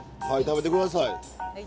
はい食べて下さい。